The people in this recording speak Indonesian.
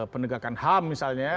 penegakan ham misalnya